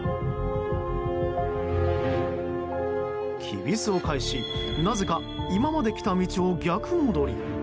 きびすを返しなぜか今まで来た道を逆戻り。